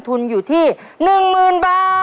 ตัวเลือกที่สองวนทางซ้าย